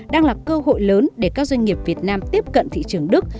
đang là cơ hội lớn để các doanh nghiệp việt nam tiếp cận thị trường đức